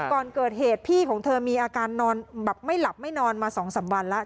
ก่อนเกิดเหตุพี่ของเธอมีอาการนอนแบบไม่หลับไม่นอนมา๒๓วันแล้ว